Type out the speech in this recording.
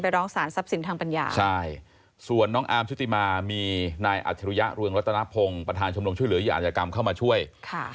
ร้องสารทรัพย์สินทางปัญญาใช่ส่วนน้องอาร์มชุติมามีนายอัจฉริยะเรืองรัตนพงศ์ประธานชมรมช่วยเหลือเหยื่ออาจยกรรมเข้ามาช่วย